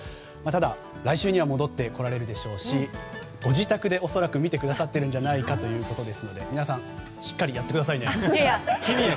ただ、来週には戻ってこられるでしょうしご自宅で恐らく見てくださっているんじゃないかということですので皆さんしっかりやってくださいね。